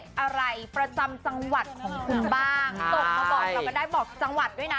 อะไรประจำจังหวัดของคุณบ้างส่งมาบอกเราก็ได้บอกจังหวัดด้วยนะ